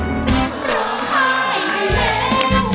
ผลิตนะรู